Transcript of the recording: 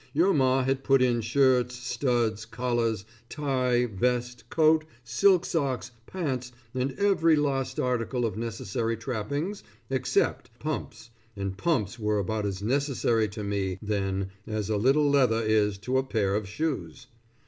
Your Ma had put in shirts, studs, collars, tie, vest, coat, silk socks, pants, and every last article of necessary trappings except pumps, and pumps were about as necessary to me then as a little leather is to a pair of shoes.